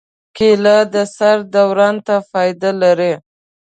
کېله د سر دوران ته فایده لري.